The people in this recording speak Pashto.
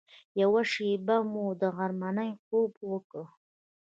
یوه شېبه مو غرمنۍ خوب وکړ.